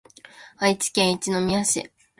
愛知県一宮市